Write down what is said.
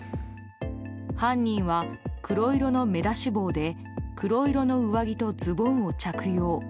犯人は黒色の目出し帽で黒色の上着とズボンを着用。